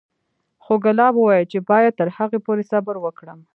خو ګلاب وويل چې بايد تر هغې پورې صبر وکړم.